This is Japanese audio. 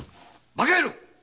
バカ野郎！